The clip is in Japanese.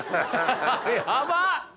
やばっ！